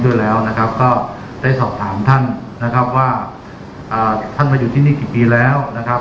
ด้วยแล้วนะครับก็ได้สอบถามท่านนะครับว่าท่านมาอยู่ที่นี่กี่ปีแล้วนะครับ